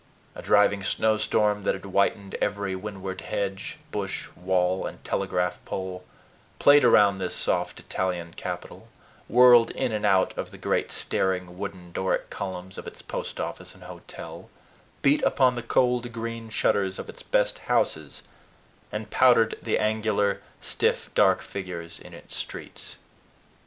A driving snowstorm that had whitened every windward hedge, bush, wall, and telegraph pole, played around this soft Italian Capital, whirled in and out of the great staring wooden Doric columns of its post office and hotel, beat upon the cold green shutters of its best houses, and powdered the angular, stiff, dark figures in its streets.